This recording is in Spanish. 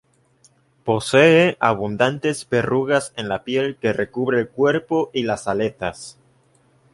Posee abundantes verrugas en la piel que recubre el cuerpo y las aletas.